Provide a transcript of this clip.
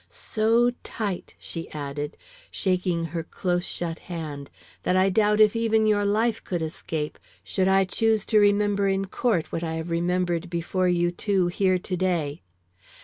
"So tight," she added, shaking her close shut hand, "that I doubt if even your life could escape should I choose to remember in court what I have remembered before you two here to day."